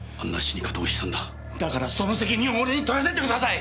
だからその責任を俺にとらせてください！